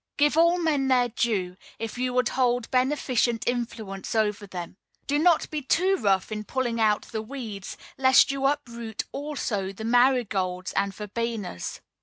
Give all men their due, if you would hold beneficent influence over them. Do not be too rough in pulling out the weeds, lest you uproot also the marigolds and verbenas.